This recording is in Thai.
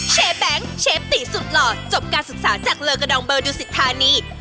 แบงค์เชฟตีสุดหล่อจบการศึกษาจากเลอกระดองเบอร์ดูสิทธานี